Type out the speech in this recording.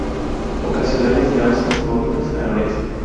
Ocasionales: Náuseas, vómitos, anorexia.